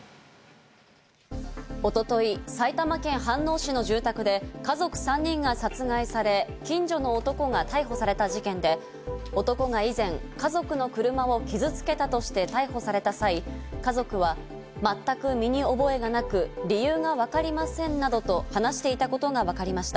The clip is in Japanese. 一昨日、埼玉県飯能市の住宅で家族３人が殺害され、近所の男が逮捕された事件で、男が以前、家族の車を傷付けたとして逮捕された際、家族は全く身に覚えがなく、理由がわかりませんなどと話していたことがわかりました。